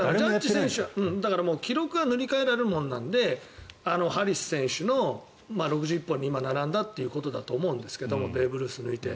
記録は塗り替えられるものなのでハリス選手の６１本に今、並んだということだと思うんですけどベーブ・ルースを抜いて。